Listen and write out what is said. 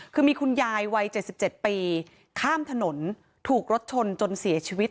คือมีคุณยายวัย๗๗ปีข้ามถนนถูกรถชนจนเสียชีวิต